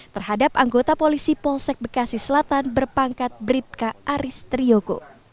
terhadap anggota polisi polsek bekasi selatan berpangkat bribka aris triyogo